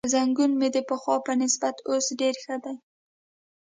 زنګون مې د پخوا په نسبت اوس ډېر ښه دی.